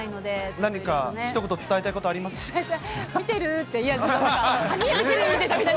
何かひと言、伝えたいことあ伝えたい。